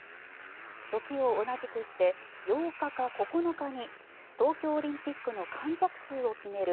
時を同じくして８日か９日に東京オリンピックの観客数を決める